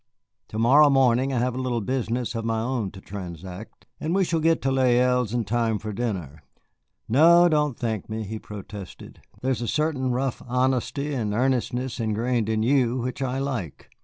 To morrow morning I have a little business of my own to transact, and we shall get to Les Îles in time for dinner. No, don't thank me," he protested; "there's a certain rough honesty and earnestness ingrained in you which I like.